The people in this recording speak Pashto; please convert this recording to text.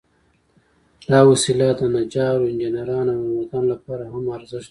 دا وسيله د نجارو، انجینرانو، او هنرمندانو لپاره هم ارزښت لري.